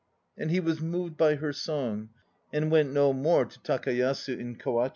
And he was moved by her song, and went no more to Takayasu in Kawachi.